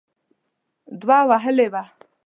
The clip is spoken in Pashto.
دوه وهلې وه.